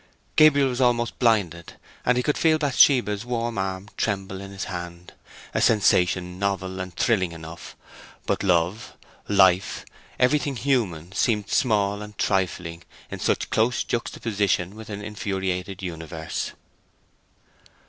Gabriel was almost blinded, and he could feel Bathsheba's warm arm tremble in his hand—a sensation novel and thrilling enough; but love, life, everything human, seemed small and trifling in such close juxtaposition with an infuriated universe.